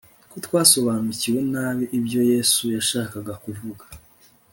ko twasobanukiwe nabi ibyo yesu yashakaga kuvuga